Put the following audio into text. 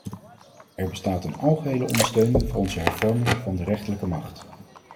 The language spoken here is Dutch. Er bestaat een algehele ondersteuning voor onze hervormingen van de rechterlijke macht.